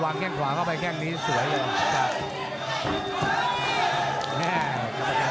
วางแข้งขวาเข้าไปแข้งนี้เนี่ยสวยแล้ว